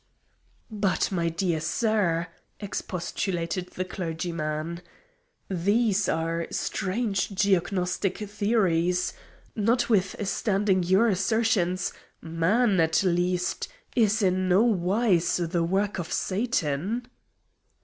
"But, my dear sir," expostulated the clergyman, "these are strange geognostic theories! Notwithstanding your assertions, man, at least, is in no wise the work of Satan."